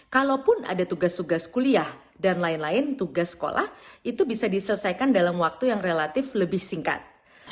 kalaupun ada tugas tugas kuliah dan lain lain tugas sekolah itu bisa diselesaikan dalam waktu yang relatif lebih singkat